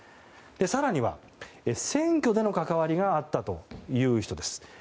更には選挙での関わりがあったという人です。